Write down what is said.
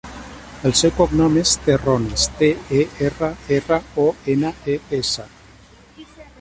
El seu cognom és Terrones: te, e, erra, erra, o, ena, e, essa.